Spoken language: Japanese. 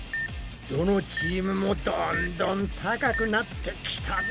どのチームもどんどん高くなってきたぞ。